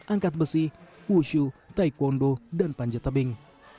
angkat besi wushu taekwondo dan panjat tebing